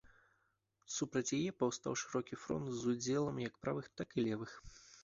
Супраць яе паўстаў шырокі фронт з удзелам як правых, так і левых.